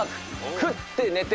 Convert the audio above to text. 食って寝て！